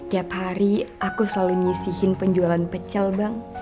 tiap hari aku selalu nyisihin penjualan pecel bang